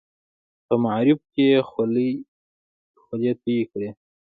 په معارفو کې یې خولې تویې کړې.